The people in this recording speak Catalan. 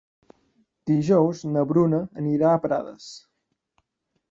Dijous na Bruna anirà a Prades.